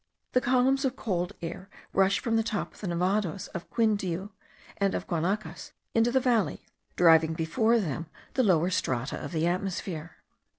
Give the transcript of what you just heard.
The columns of cold air rush from the top of the Nevados of Quindiu and of Guanacas into the valley, driving before them the lower strata of the atmosphere.